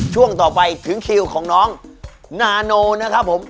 ช่วงต่อไปถึงคิวของน้องนาโนนะครับผม